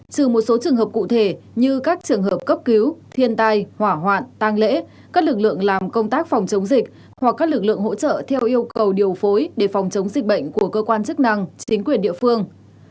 trừ một số trường hợp cụ thể như các trường hợp cấp cứu thiên tai hỏa hoạn tăng lễ các lực lượng làm công tác phòng chống dịch hoặc các lực lượng hỗ trợ theo yêu cầu điều phối để phòng chống dịch bệnh của cơ quan chức năng chính quyền địa phương